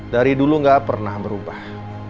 dari dulu gak pernah berubah